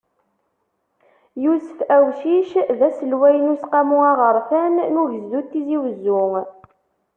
Yusef Awcic, d aselway n useqqamu aɣerfan n ugezdu n Tizi Uzzu.